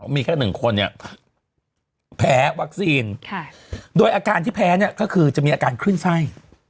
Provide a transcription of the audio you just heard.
มีแค่หนึ่งคนเนี่ยแพ้วัคซีนโดยอาการที่แพ้เนี่ยก็คือจะมีอาการคลื่นไส้